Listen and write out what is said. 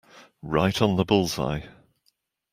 Right on the bull's-eye.